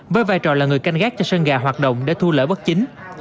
với vai trò là người canh gác cho sân gà hoạt động để thu lợi bất chính